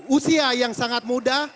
usia yang sangat muda